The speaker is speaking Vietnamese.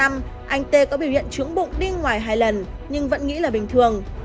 anh t có biểu hiện trướng bụng đi ngoài hai lần nhưng vẫn nghĩ là bình thường